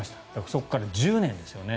そこから１０年ですよね。